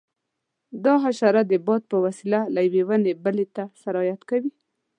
دا حشره د باد په وسیله له یوې ونې بلې ته سرایت کوي.